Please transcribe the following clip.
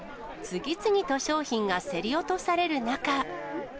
次々と商品が競り落とされる中。